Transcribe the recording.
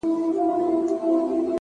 • سر یې کښته ځړولی وو تنها وو,